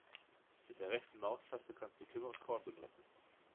Mit der rechten Maustaste kannst du Kimme und Korn benutzen.